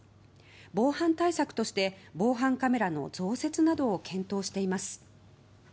防犯対策として防犯カメラの増設などを検討しています。